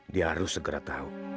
dia harus segera tahu